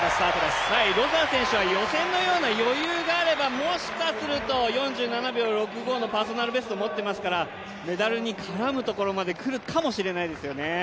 ロサー選手は予選のような余裕があればもしかすると４７秒６５のパーソナルベストを持っていますからメダルに絡むところまでくるかもしれないですよね。